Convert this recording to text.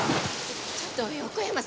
ちょっと横山さん！